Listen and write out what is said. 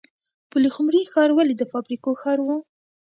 پلخمري ښار ولې د فابریکو ښار و؟